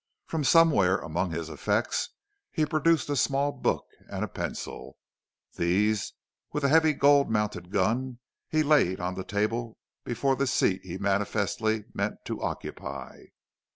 From somewhere among his effects he produced a small book and a pencil; these, with a heavy, gold mounted gun, he laid on the table before the seat he manifestly meant to occupy.